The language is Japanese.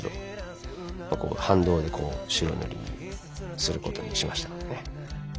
反動で白塗りすることにしました。